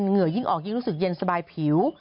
เหงื่อยิ่งออกยิ่งรู้สึกเย็นสบายผิว